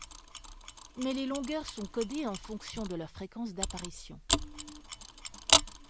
Mais les longueurs sont codées en fonction de leur fréquence d'apparition.